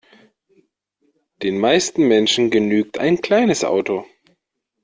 Den meisten Menschen genügt ein kleines Auto.